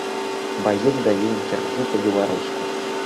Баец дае інтэрв'ю па-беларуску.